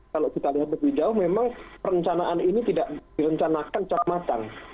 kalau kita lihat lebih jauh memang perencanaan ini tidak direncanakan secara matang